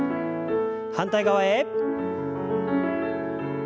反対側へ。